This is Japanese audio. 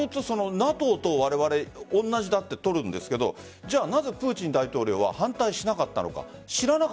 ＮＡＴＯとわれわれ同じだと取るんですがなぜプーチン大統領は反対しなかったのか。